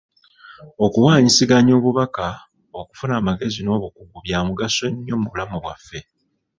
Okuwanyisiganya obubaka, okufuna amagezi n'obukugu bya mugaso nnyo mu bulamu bwaffe.